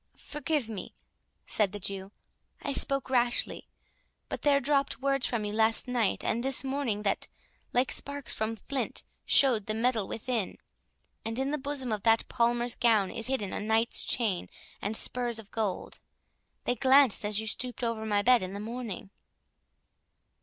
"Forgive me," said the Jew; "I spoke rashly. But there dropt words from you last night and this morning, that, like sparks from flint, showed the metal within; and in the bosom of that Palmer's gown, is hidden a knight's chain and spurs of gold. They glanced as you stooped over my bed in the morning."